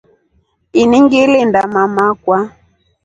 Ini ngilinda mama akwa.